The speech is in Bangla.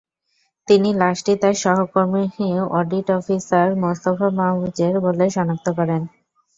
তিনি লাশটি তাঁর সহকর্মী অডিট অফিসার মোস্তফা মাহফুজের বলে শনাক্ত করেন।